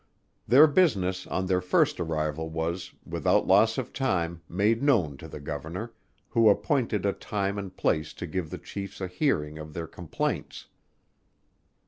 Their business on their first arrival, was, without loss of time, made known to the Governor, who appointed a time and place to give the Chiefs a hearing of their complaints.